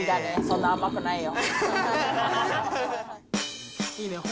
そんな甘くないよ。